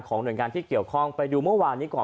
หน่วยงานที่เกี่ยวข้องไปดูเมื่อวานนี้ก่อน